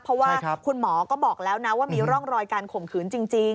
เพราะว่าคุณหมอก็บอกแล้วนะว่ามีร่องรอยการข่มขืนจริง